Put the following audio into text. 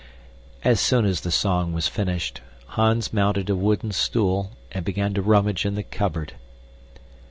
As soon as the song was finished, Hans mounted a wooden stool and began to rummage in the cupboard.